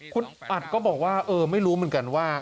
คุณอัดก็บอกว่าเออไม่รู้เหมือนกันว่า